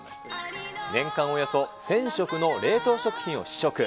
年間およそ１０００食の冷凍食品を試食。